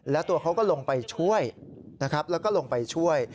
แล้วตัวเขาก็ลงไปช่วยนะครับแล้วก็ลงไปช่วย